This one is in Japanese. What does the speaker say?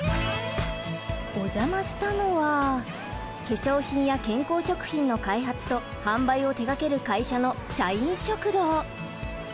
お邪魔したのは化粧品や健康食品の開発と販売を手がける会社の社員食堂。